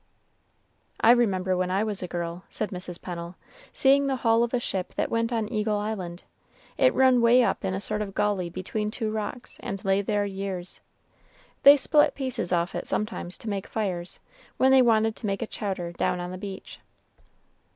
"I remember when I was a girl," said Mrs. Pennel, "seeing the hull of a ship that went on Eagle Island; it run way up in a sort of gully between two rocks, and lay there years. They split pieces off it sometimes to make fires, when they wanted to make a chowder down on the beach."